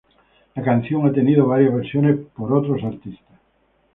La canción ha tenido varias versiones por otros artistas.